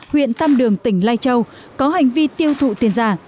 huyện tam đường tỉnh lai châu có hành vi tiêu thụ tiền giả